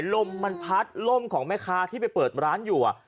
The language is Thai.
ลมมันพัดล่มของแม่ค้าที่ไปเปิดร้านอยู่